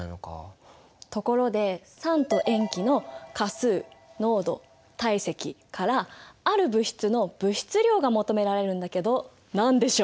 ところで酸と塩基の価数濃度体積からある物質の物質量が求められるんだけど何でしょう？